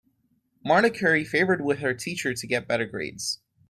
Marta curry favored with her teacher to get better grades.